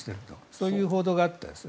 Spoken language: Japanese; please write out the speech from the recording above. そういう報道があったんです。